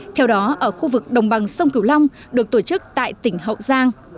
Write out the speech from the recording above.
theo đó ở khu vực đồng bằng sông cửu long được tổ chức tại tỉnh hậu giang